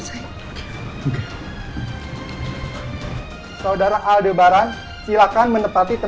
dan kemudian suatu pertembangan arbitral eta tellahous season dua terminal berita di indonesia